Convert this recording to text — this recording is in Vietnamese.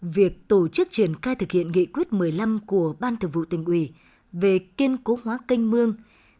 việc tổ chức triển khai thực hiện nghị quyết một mươi năm của ban thực vụ tình uỷ về kiên cố hóa canh mương